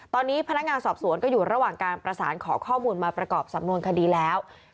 ตอนนี้พนักงานสอบสวนก็อยู่ระหว่างการประสานขอข้อมูลมาประกอบสำนวนคดีแล้ว